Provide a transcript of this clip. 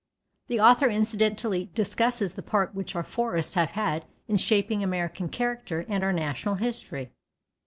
The author incidentally discusses the part which our forests have had in shaping American character and our national history.